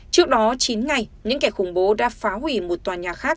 trước đó chín ngày những kẻ khủng bố đã phá hủy một tòa nhà khác